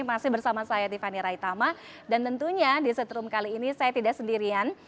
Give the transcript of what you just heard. masih bersama saya tiffany raitama dan tentunya di setrum kali ini saya tidak sendirian